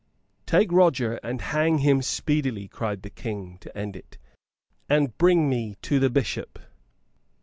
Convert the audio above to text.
"Take Roger and hang him speedily," cried the King, to end it. "And bring me to the Bishop.